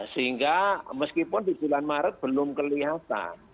sehingga meskipun di bulan maret belum kelihatan